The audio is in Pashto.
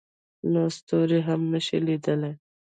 نو ستوري هم نه شي لیدلی.